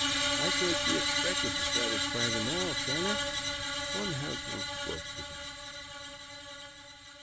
I can't be expected to satisfy them all, can I ? One has one*s work to do."